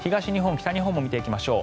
西日本見ていきましょう。